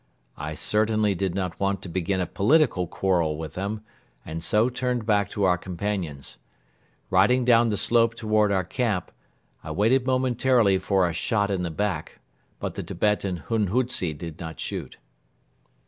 I certainly did not want to begin a political quarrel with them and so turned back to our companions. Riding down the slope toward our camp, I waited momentarily for a shot in the back but the Tibetan hunghutze did not shoot.